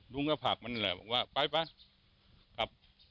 ลุงก็ปากนี้แหละครับว่าไป